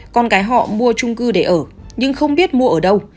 con cái họ mua trung cư để ở nhưng không biết mua ở đâu